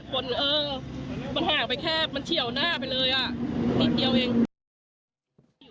เออมันห่างไปแค่มันเฉียวหน้าไปเลยอ่ะนิดเดียวเอง